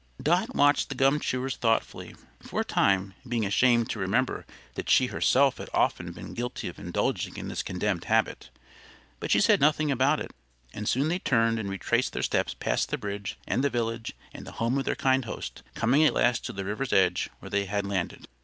Dot watched the gum chewers thoughtfully for a time, being ashamed to remember that she herself had often been guilty of indulging in this condemned habit; but she said nothing about it, and soon they turned and retraced their steps past the bridge and the village and the home of their kind host, coming at last to the river's edge where they had landed.